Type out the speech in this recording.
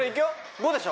５でしょ